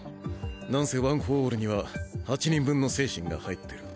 何せワン・フォー・オールには８人分の精神が入ってる。